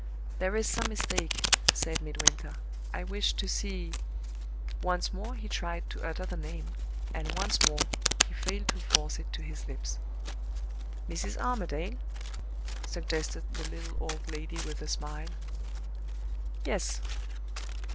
"There is some mistake," said Midwinter. "I wished to see " Once more he tried to utter the name, and once more he failed to force it to his lips. "Mrs. Armadale?" suggested the little old lady, with a smile. "Yes."